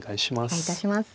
お願いいたします。